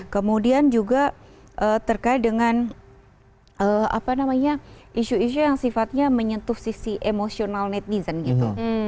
kemudian juga terkait dengan apa namanya isu isu yang sifatnya menyentuh sisi emosional netizen gitu